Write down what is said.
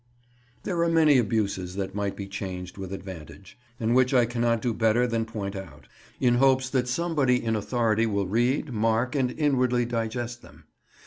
There are many abuses that might be changed with advantage, and which I cannot do better than point out, in hopes that somebody in authority will read, mark, and inwardly digest them.